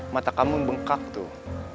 mata kamu bengkak tuh